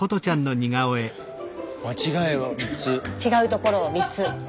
違うところを３つ。